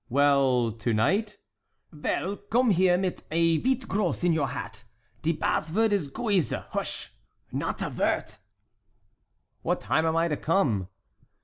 "Well, to night?" "Vell, gome here mit a vite gross in your hat. De bassvord is 'Gouise.' Hush! nod a vord." "What time am I to come?"